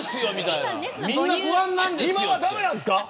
今は駄目なんですか。